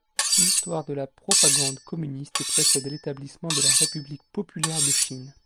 L'histoire de la propagande communiste précède l'établissement de la république populaire de Chine.